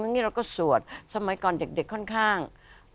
นี่เราก็สวดสมัยก่อนเด็กค่อนข้าง